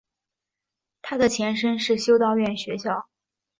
它的前身是修道院学校。